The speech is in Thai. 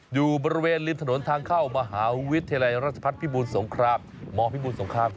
อยู่บริเวณริมถนนทางเข้ามหาวิทยาลัยราชพัฒน์พิบูรสงครามมพิบูรสงคราม